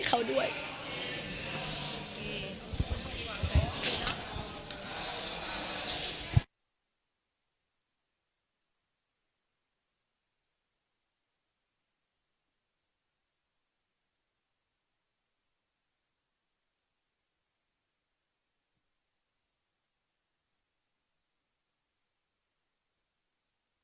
โปรดติดตามต่อไป